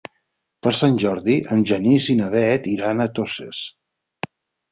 Per Sant Jordi en Genís i na Bet iran a Toses.